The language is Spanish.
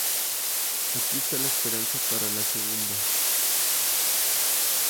Aquí esta la esperanza para la segunda.